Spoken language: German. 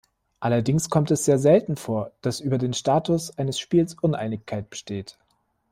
Allerdings kommt es sehr selten vor, dass über den Status eines Spiels Uneinigkeit besteht.